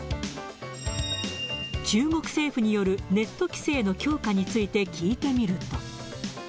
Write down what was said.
中国政府によるネット規制の強化について聞いてみると。